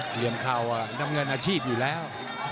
เหลี่ยมเข่าน้ำเงินอาชีพอยู่แล้ว